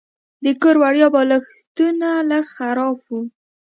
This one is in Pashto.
د کور وړیا بالښتونه لږ خراب وو.